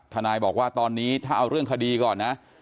ทนายบอกว่าตอนนี้ถ้าเอาเรื่องคดีก่อนนะ